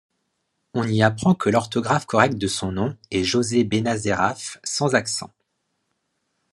On y apprend que l'orthographe correcte de son nom est José Benazeraf, sans accent.